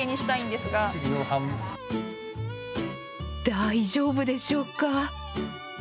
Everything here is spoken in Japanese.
大丈夫でしょうか？